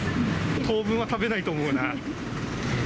当分は食べないと思うな。